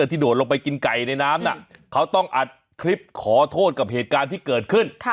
ที่โดดลงไปกินไก่ในน้ำน่ะเขาต้องอัดคลิปขอโทษกับเหตุการณ์ที่เกิดขึ้น